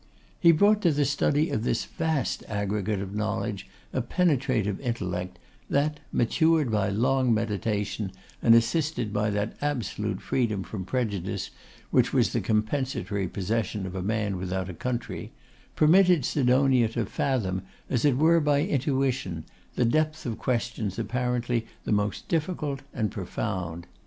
He brought to the study of this vast aggregate of knowledge a penetrative intellect that, matured by long meditation, and assisted by that absolute freedom from prejudice, which, was the compensatory possession of a man without a country, permitted Sidonia to fathom, as it were by intuition, the depth of questions apparently the most difficult and profound.